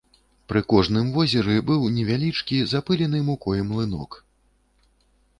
Пры кожным возеры быў невялічкі запылены мукой млынок.